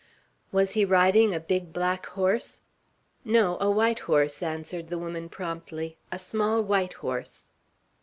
"Was he riding a big black horse?" "No, a white horse," answered the woman, promptly. "A small white horse."